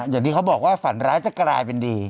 อย่างที่เขาบอกว่าฝันร้ายจะกลายเป็นดี